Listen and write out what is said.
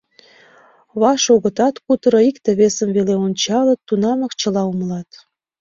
Ваш огытат кутыро, икте-весым веле ончалыт, тунамак чыла умылат.